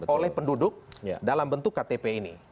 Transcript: oleh penduduk dalam bentuk ktp ini